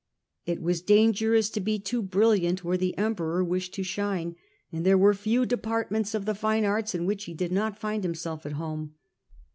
It was dangerous to be too brilliant where the Emperor wished to shine, and there were few departments of the fine arts in which he did not find him and jeai self at home.